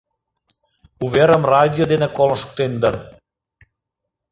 Уверым радио дене колын шуктен дыр.